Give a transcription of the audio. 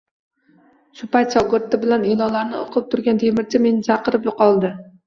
Shu payt shogirdi bilan e`lonlarni o`qib turgan temirchi meni chaqirib qoldi